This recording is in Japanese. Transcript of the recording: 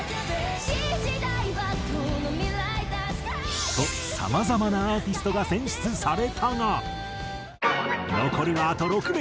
「新時代はこの未来だ」とさまざまなアーティストが選出されたが。残るはあと６名。